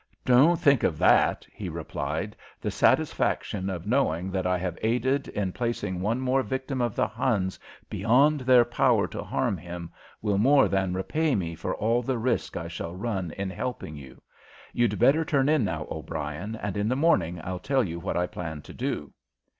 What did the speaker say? "Don't think of that," he replied; "the satisfaction of knowing that I have aided in placing one more victim of the Huns beyond their power to harm him will more than repay me for all the risk I shall run in helping you. You'd better turn in now, O'Brien, and in the morning I'll tell you what I plan to do."